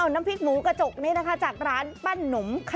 น้ำพริกแซ่บบ่